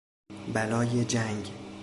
بلای جنگ